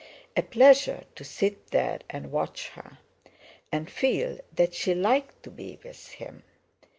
A pleasure to sit there and watch her, and feel that she liked to be with him.